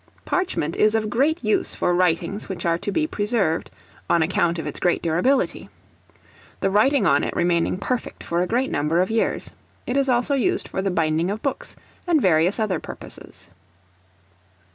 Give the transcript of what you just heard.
Parchment is of great use for writings which are to be preserved, on account of its great durability; the writing on it remaining perfect for a great number of years. It is also used for the binding of books, and various other purposes.